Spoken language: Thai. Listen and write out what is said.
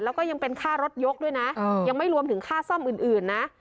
แล้วก็ยังเป็นค่ารถยกด้วยนะยังไม่รวมถึงค่าซ่อมอื่นนะ